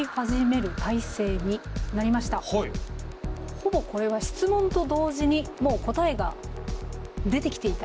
ほぼこれは質問と同時にもう答えが出てきていた？